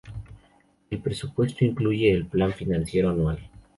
El presupuesto incluye el plan financiero anuаl.